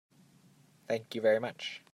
Thank you very much.